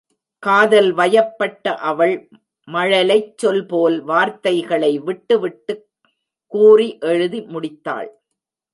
காதல் வயப்பட்ட அவள் மழலைச் சொல் போல் வார்த்தைகளை விட்டுவிட்டுக் கூறி எழுதி முடித்தாள்.